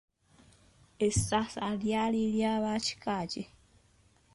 Essasa lyali lya ba kika ki?